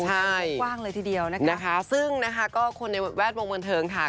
ใช่กว้างเลยทีเดียวนะคะซึ่งนะคะก็คนในแวดวงบันเทิงค่ะ